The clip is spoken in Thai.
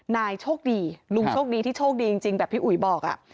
โชคดีลุงโชคดีที่โชคดีจริงแบบพี่อุ๋ยบอก